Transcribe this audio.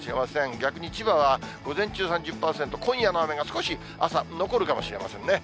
逆に千葉は午前中３０％、今夜の雨が少し朝、残るかもしれませんね。